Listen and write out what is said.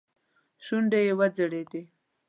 شونډې يې وځړېدې.